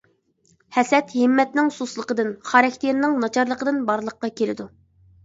ھەسەت ھىممەتنىڭ سۇسلۇقىدىن، خاراكتېرىنىڭ ناچارلىقىدىن بارلىققا كېلىدۇ.